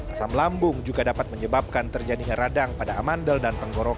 asam lambung juga dapat menyebabkan terjadinya radang pada amandel dan tenggorokan